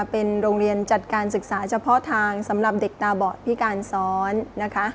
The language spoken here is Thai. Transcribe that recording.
เป็นโรงเรียนจัดการศึกษาเฉพาะทางสำหรับเด็กตาบอดพิการซ้อนนะคะ